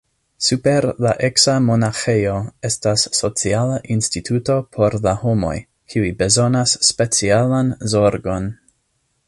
Super la eksa monaĥejo estas sociala instituto por la homoj, kiuj bezonas specialan zorgon.